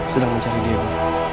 sedang mencari diego